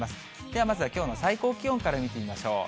ではまずは、きょうの最高気温から見てみましょう。